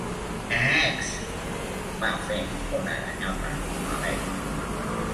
Eeecs! —va fer una ganyota la Bet.